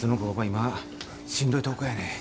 今しんどいとこやねん。